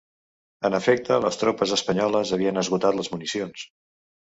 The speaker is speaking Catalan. En efecte les tropes espanyoles havien esgotat les municions.